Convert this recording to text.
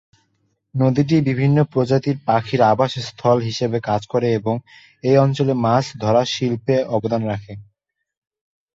নদীটি বিভিন্ন প্রজাতির পাখির আবাসস্থল হিসাবে কাজ করে এবং এই অঞ্চলে মাছ ধরা শিল্পে অবদান রাখে।